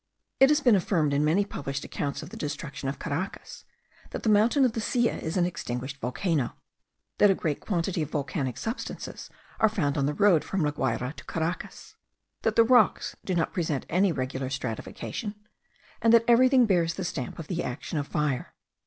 It has been affirmed, in many published accounts of the destruction of Caracas, that the mountain of the Silla is an extinguished volcano; that a great quantity of volcanic substances are found on the road from La Guayra to Caracas; that the rocks do not present any regular stratification; and that everything bears the stamp of the action of fire.